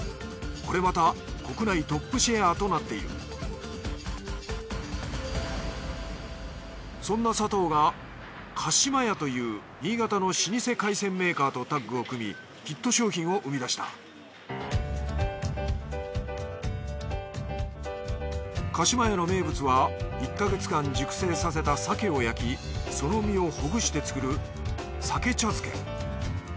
これまた国内トップシェアとなっているそんなサトウが加島屋という新潟の老舗海鮮メーカーとタッグを組みヒット商品を生み出した加島屋の名物は１か月間熟成させた鮭を焼きその身をほぐして作るさけ茶漬け。